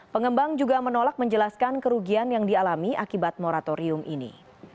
pengembang juga menolak menjelaskan kerugian yang dialami akibat moratorium ini